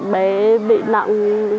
bé bị nặng